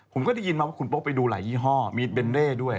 ผมก็ได้ยินมาว่าคุณโป๊ไปดูหลายยี่ห้อมีเบนเร่ด้วย